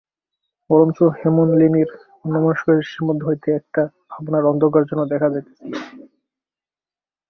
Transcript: বরঞ্চ হেমনলিনীর অন্যমনস্ক দৃষ্টির মধ্য হইতে একটা ভাবনার অন্ধকার যেন দেখা যাইতেছিল।